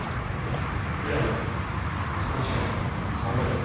ひらり明日の試験頑張れよ。